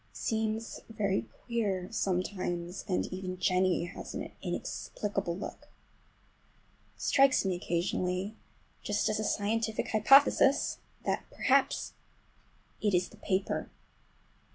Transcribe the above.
He seems very queer sometimes, and even Jennie has an inexplicable look. It strikes me occasionally, just as a scientific hypothesis, that perhaps it is the paper!